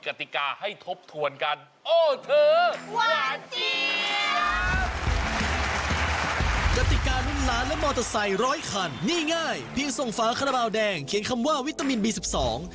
กฎิกาลุ้นล้านและมอเตอร์ไซค์ร้อยคันนี่ง่ายเพียงส่งฝาขนาบราวแดงเขียนคำว่าวิตามินบีสิบสอง